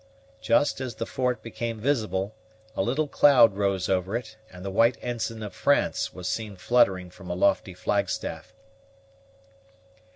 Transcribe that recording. Just as the fort became visible, a little cloud rose over it, and the white ensign of France was seen fluttering from a lofty flagstaff.